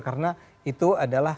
karena itu adalah